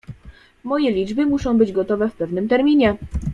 "Moje liczby muszą być gotowe w pewnym terminie."